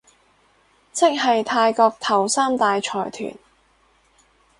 即係泰國頭三大財團